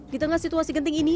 di tengah situasi genting ini